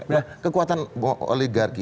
saya bukan kekuatan oligarki